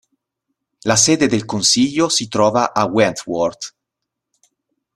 La sede del consiglio si trova a Wentworth.